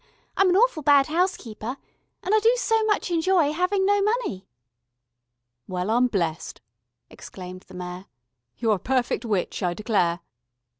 I'm an awful bad house keeper. And I do so much enjoy having no money." "Well, I'm blessed," exclaimed the Mayor. "You're a perfect witch, I declare."